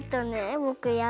ぼくやだ。